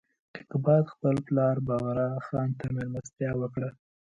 کیقباد خپل پلار بغرا خان ته مېلمستیا وکړه.